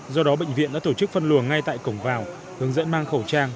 do đó bệnh viện đã tổ chức phân luồng ngay tại cổng vào hướng dẫn mang khẩu trang